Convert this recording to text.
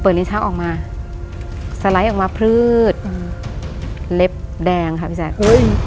เปิดริมช่องออกมาสไลด์ออกมาพลื้ดอ่าเล็บแดงค่ะพี่แสงเฮ้ย